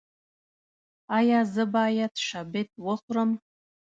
ایا زه باید شبت وخورم؟